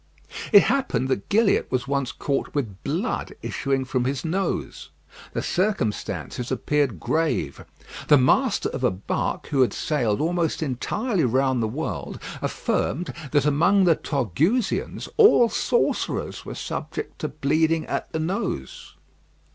It happened that Gilliatt was once caught with blood issuing from his nose. The circumstances appeared grave. The master of a barque who had sailed almost entirely round the world, affirmed that among the Tongusians all sorcerers were subject to bleeding at the nose.